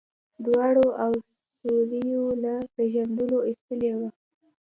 دوړو او سيورو له پېژندلو ايستلي ول.